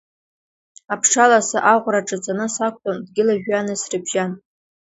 Аԥшалас аӷәра аҿаҵаны сақәтәан, дгьыли жәҩани срыбжьан.